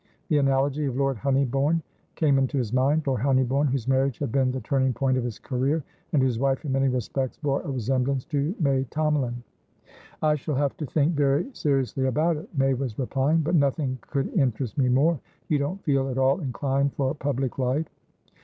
The analogy of Lord Honeybourne came into his mind; Lord Honeybourne, whose marriage had been the turning point of his career, and whose wife, in many respects, bore a resemblance to May Tomalin. "I shall have to think very seriously about it," May was replying. "But nothing could interest me more. You don't feel at all inclined for public life?"